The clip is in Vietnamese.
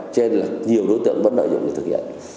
cho nên là nhiều đối tượng vẫn lợi dụng để thực hiện